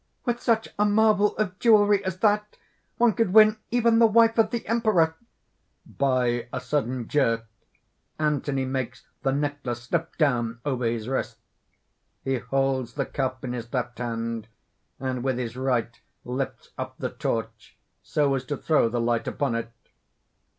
_) "With such a marvel of jewelry as that, one could win even the wife of the Emperor!" (_By a sudden jerk, Anthony makes the necklace slip down over his wrist. He holds the cup in his left hand, and with his right lifts up the torch so as to throw the light upon it.